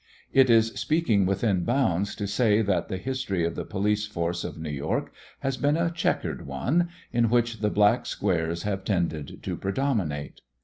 It is speaking within bounds to say that the history of the police force of New York has been a checkered one in which the black squares have tended to predominate.